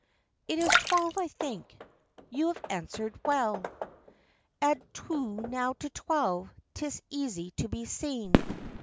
" It is twelve, I think." " You have answered well. "Add two now to twelve — 'tis easy to be seen."